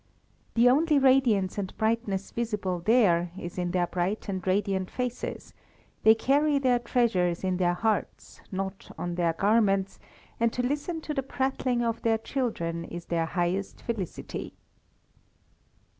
The only radiance and brightness visible there is in their bright and radiant faces; they carry their treasures in their hearts, not on their garments, and to listen to the prattling of their children is their highest felicity.